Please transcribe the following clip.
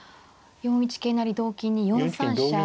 ４一桂成同金に４三飛車。